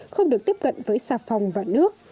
không được tiếp cận với xà phòng và nước